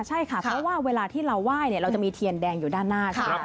ใช่ค่ะเพราะว่าเวลาที่เราไหว้เราจะมีเทียนแดงอยู่ด้านหน้าใช่ไหมคะ